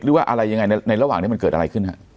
หรือว่าอะไรยังไงในระหว่างนี้มันเกิดอะไรขึ้นฮะ